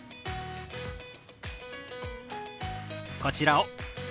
こちらを。